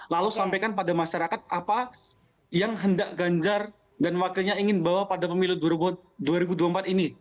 lalu sampaikan pada masyarakat apa yang hendak ganjar dan wakilnya ingin bawa pada pemilu dua ribu dua puluh empat ini